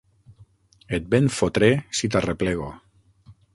Et ben fotré, si t'arreplego!